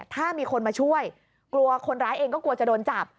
ถ้ามีคนมาช่วยกลัวคนร้ายเองก็กลัวจะโดนจับ